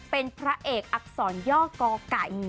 เป็นพระเอกอักษรย่อกอไก่